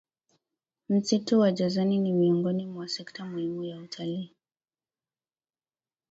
Msitu wa Jozani ni miongoni mwa sekta muhimu ya utalii